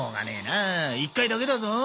１回だけだぞ。